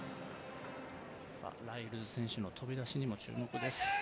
ライルズ選手の飛び出しにも注目です。